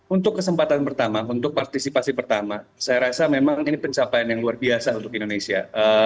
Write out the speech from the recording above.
untuk kesempatan pertama untuk partisipasi pertama saya rasa memang ini pencapaian yang luar biasa untuk indonesia